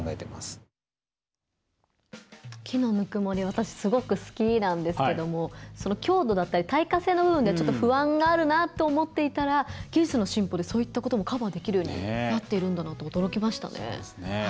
私、すごく好きなんですけども強度だったり、耐火性の部分ではちょっと不安があるなと思っていたら技術の進歩で、そういったこともカバーできるようになっているんだなと驚きましたね。